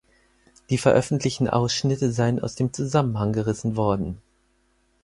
Die veröffentlichten Ausschnitte seien aus dem Zusammenhang gerissen worden.